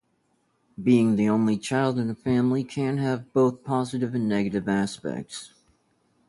Being the only child in a family can have both positive and negative aspects.